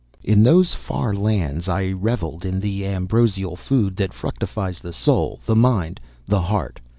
In those far lands I reveled in the ambrosial food that fructifies the soul, the mind, the heart.